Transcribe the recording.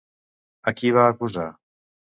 A qui va acusar?